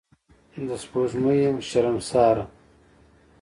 د سپوږمۍ یم شرمساره